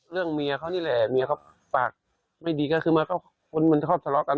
เมียเขานี่แหละเมียเขาปากไม่ดีก็คือคนมันชอบทะเลาะกัน